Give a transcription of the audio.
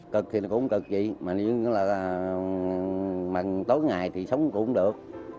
cực thì cũng không cực gì mà tối ngày thì sống cũng không được